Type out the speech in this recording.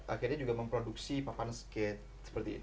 akhirnya juga memproduksi papan skate seperti ini